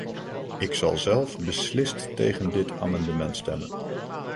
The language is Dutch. Ik zal zelf beslist tegen dit amendement stemmen.